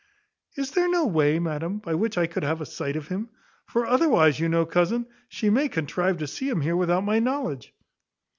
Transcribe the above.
"Is there no way, madam, by which I could have a sight of him? for, otherwise, you know, cousin, she may contrive to see him here without my knowledge."